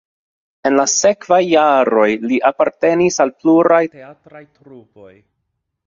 En la sekvaj jaroj li apartenis al pluraj teatraj trupoj.